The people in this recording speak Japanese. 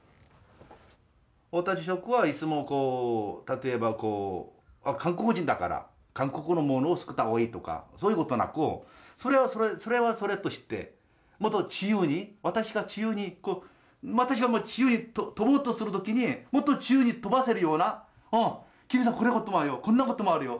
太田住職はいつもこう例えばこう韓国人だから韓国のものを作ったほうがいいとかそういうことなくそれはそれとしてもっと自由に私が自由に私が自由に飛ぼうとするときにもっと自由に飛ばせるような金さんこんなこともあるよ